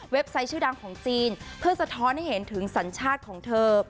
ไซต์ชื่อดังของจีนเพื่อสะท้อนให้เห็นถึงสัญชาติของเธอ